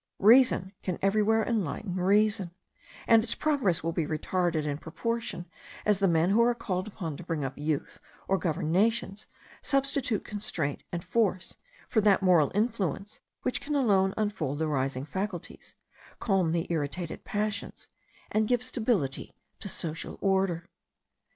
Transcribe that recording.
Reason can everywhere enlighten reason; and its progress will be retarded in proportion as the men who are called upon to bring up youth, or govern nations, substitute constraint and force for that moral influence which can alone unfold the rising faculties, calm the irritated passions, and give stability to social order.